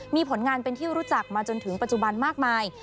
มีผลงานเป็นที่รู้จักมาจนถึงปัจจุบันมากมาย